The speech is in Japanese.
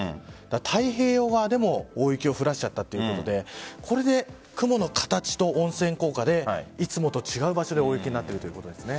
太平洋側でも大雪を降らせちゃったということでこれで雲の形と温泉効果でいつもと違う場所で大雪になっているということです。